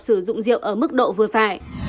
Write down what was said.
sử dụng rượu ở mức độ vừa phải